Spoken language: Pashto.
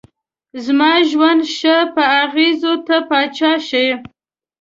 زما ژوند شه په اغزيو ته پاچا شې